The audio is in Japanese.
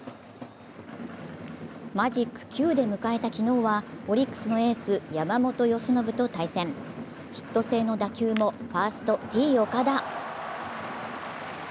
マジック９で迎えた昨日はオリックスのエース・山本由伸と対戦。ヒット性の打球もファースト・Ｔ−岡田。